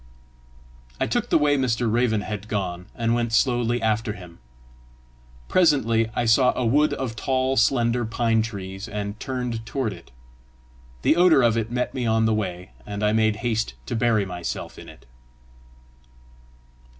I took the way Mr. Raven had gone, and went slowly after him. Presently I saw a wood of tall slender pine trees, and turned toward it. The odour of it met me on my way, and I made haste to bury myself in it.